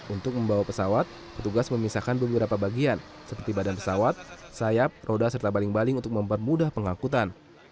untuk membawa pesawat petugas memisahkan beberapa bagian seperti badan pesawat sayap roda serta baling baling untuk mempermudah pengangkutan